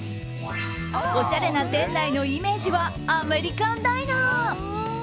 おしゃれな店内のイメージはアメリカンダイナー。